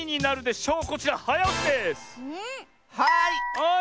はい！